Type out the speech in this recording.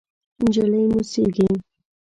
نجلۍ موسېږي…